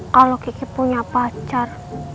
kalau kiki punya pacar